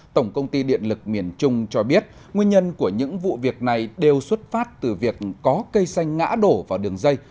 tổng công ty điện lực miền trung cho biết nguyên nhân của những vụ việc này đều xuất phát từ việc có cây xanh ngã đổ vào đường dây